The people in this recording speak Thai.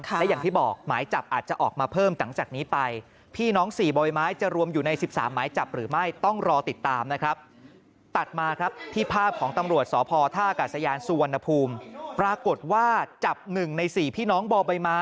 และอย่างที่บอกหมายจับอาจจะออกมาเพิ่มตั้งจากนี้ไป